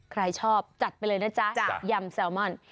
ใครชอบจัดไปเลยนะจ๊ะยำแซลมอน